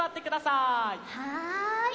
はい。